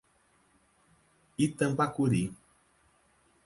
Itambacuri